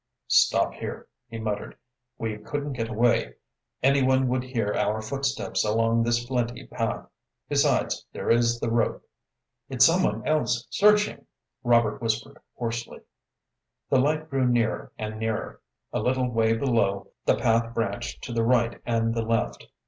"Stop here," he muttered. "We couldn't get away. Any one would hear our footsteps along this flinty path. Besides, there is the rope." "It's someone else searching!" Robert whispered hoarsely. The light grew nearer and nearer. A little way below, the path branched to the right and the left.